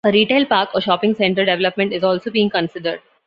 A retail park or shopping centre development is also being considered.